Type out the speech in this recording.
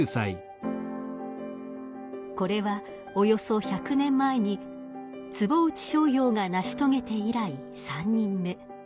これはおよそ１００年前に坪内逍遥が成し遂げて以来３人目。